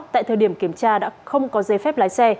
tại thời điểm kiểm tra đã không có giấy phép lái xe